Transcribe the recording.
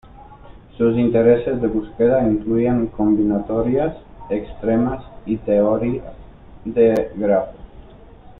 Sus intereses de búsqueda incluyen combinatorias extremas y teoría de grafos.